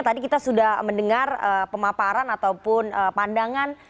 tadi kita sudah mendengar pemaparan ataupun pandangan